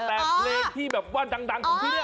แต่เพลงที่แบบว่าดังคือ